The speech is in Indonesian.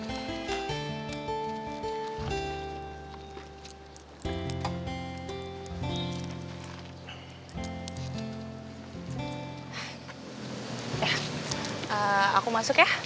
eh aku masuk ya